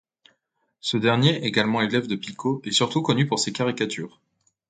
Ce dernier, également élève de Picot, est surtout connu pour ses caricatures.